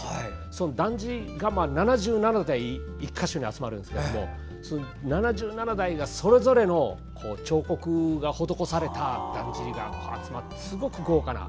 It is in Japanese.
そのだんじりが７７台が集まるんですけど７７台がそれぞれの彫刻が施されただんじりが集まって、すごく豪華な。